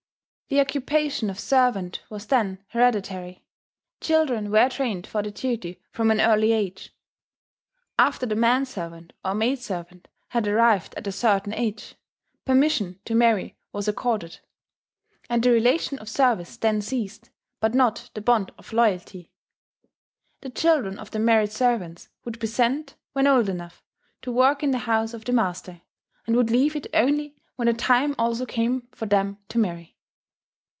The occupation of servant was then hereditary; children were trained for the duty from an early age. After the man servant or maidservant had arrived at a certain age, permission to marry was accorded; and the relation of service then ceased, but not the bond of loyalty. The children of the married servants would be sent, when old enough, to work in the house of the master, and would leave it only when the time also came for them to marry.